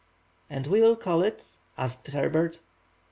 "And we will call it—" asked Herbert.